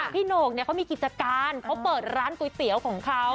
โหนกเขามีกิจการเขาเปิดร้านก๋วยเตี๋ยวของเขา